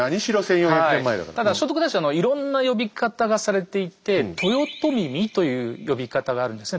ただ聖徳太子はいろんな呼び方がされていて「豊聡耳」という呼び方があるんですね。